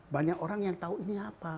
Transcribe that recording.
banyak orang yang tahu ini apa